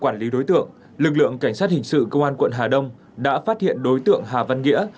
quản lý đối tượng lực lượng cảnh sát hình sự công an quận hà đông đã phát hiện đối tượng hà văn nghĩa